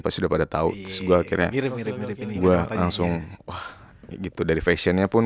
pasti pada tahuicios gini dua langsung ah gitu dari fashion nya pun gua gua suka gitu simple nggak perlu yang harus corona loh ini bareng bangan